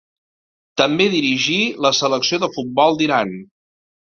També dirigí la selecció de futbol d'Iran.